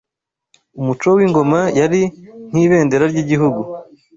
umuco w’ingoma yari nk’ibendera ry’igihugu